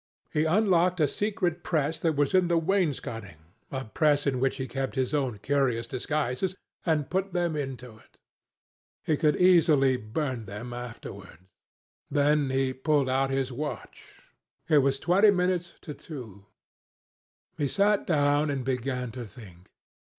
He unlocked a secret press that was in the wainscoting, a press in which he kept his own curious disguises, and put them into it. He could easily burn them afterwards. Then he pulled out his watch. It was twenty minutes to two. He sat down and began to think.